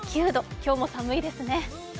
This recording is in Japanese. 今日も寒いですね。